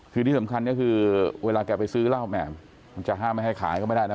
คือที่สำคัญก็คือเวลาแกไปซื้อเหล้าแหม่มันจะห้ามไม่ให้ขายก็ไม่ได้นะ